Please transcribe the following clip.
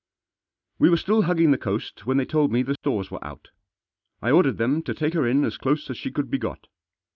We were still hugging the coast when they told me the stores were out. I ordered them to take her in as close as she could be got.